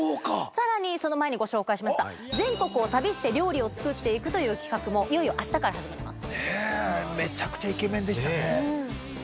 さらにその前にご紹介しました全国を旅して料理を作っていくという企画もいよいよ明日から始まります。